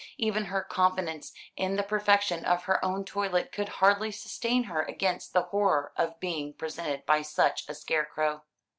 Even her confidence in the perfection of her own toilet could hardly sustain her against the horror of being presented by such a scarecrow.